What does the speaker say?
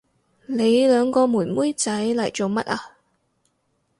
你兩個妹妹仔嚟做乜啊？